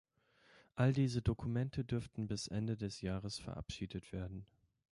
All diese Dokumente dürften bis Ende des Jahres verabschiedet werden.